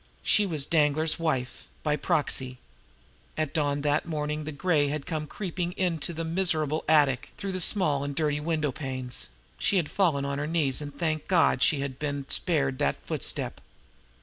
She was Danglar's wife by proxy. At dawn that morning when the gray had come creeping into the miserable attic through the small and dirty window panes, she had fallen on her knees and thanked God she had been spared that footstep.